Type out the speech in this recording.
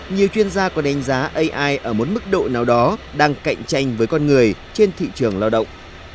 nhiều chuyên gia còn đánh giá ai ở một mức độ nào đó đang cạnh tranh với con người trên thị trường lao động